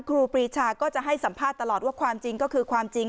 ครูปรีชาก็จะให้สัมภาษณ์ตลอดว่าความจริงก็คือความจริง